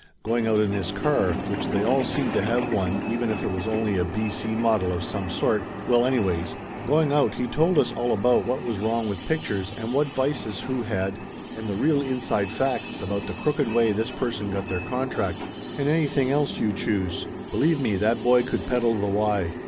Going out in his car which they all seemed to have one even if it was only a B. C. model of some sort well, anyways, going out he told us all about what was 109 110 Laughter Limited wrong with pictures and what vices who had, and the real inside facts about the crooked way this person got their contract, and anything else you choose. Be lieve me, that boy could peddle the why!